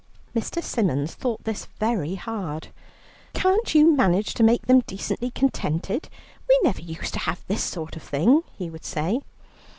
Mr. Symons thought this very hard. "Can't you manage to make them decently contented? We never used to have this sort of thing," he would say.